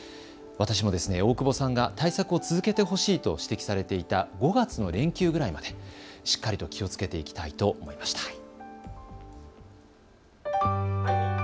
私も大久保さんが対策を続けてほしいと指摘されていた５月の連休くらいまでしっかりと気をつけていきたいと思いました。